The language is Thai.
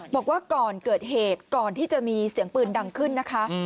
บอกว่าก่อนเกิดเหตุก่อนที่จะมีเสียงปืนดังขึ้นนะคะ